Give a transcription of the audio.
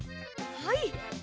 はい。